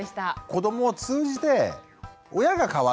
子どもを通じて親が変わっていく。